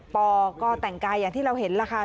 ปก็แต่งกายอย่างที่เราเห็นล่ะค่ะ